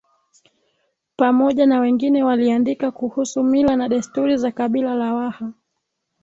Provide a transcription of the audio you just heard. Pamoja na wengine waliandika kuhusu Mila na desturi za kabila la Waha